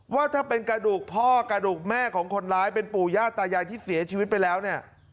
ว่าถ้าเป็นกระดูกพ่อกระดูกแม่ของคนร้ายเป็นปู่ย่าตายายที่เสียชีวิตไปแล้วเนี่ย